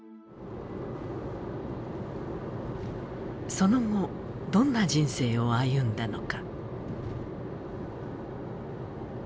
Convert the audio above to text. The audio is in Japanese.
その後、どんな人生を歩んだのか。